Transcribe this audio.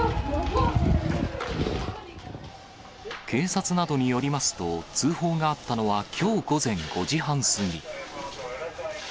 警察などによりますと、通報があったのはきょう午前５時半過ぎ。